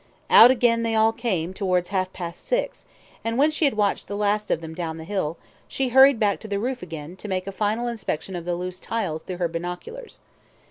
... Out again they all came towards half past six, and when she had watched the last of them down the hill, she hurried back to the roof again, to make a final inspection of the loose tiles through her binoculars.